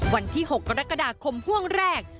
วันที่๖กรกฎาคมห่วงแรก